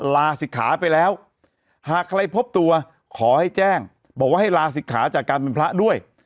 หากใครพบตัวขอให้แจ้งบอกว่าให้ลาศิษย์ขาจากการเป็นพระด้วย